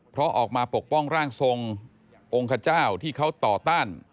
เพราะออกมาปกป้องร่างทรงองค์ขเจ้าที่เขาต่อต้าน